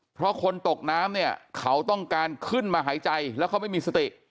เพราะคนตกน้ำเนี่ยเขาต้องการขึ้นมาหายใจแล้วเขาไม่มีสติ